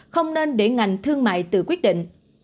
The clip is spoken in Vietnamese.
không nên để ngành thương mại tự quyết định